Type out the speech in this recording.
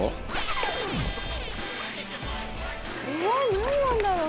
なんなんだろう？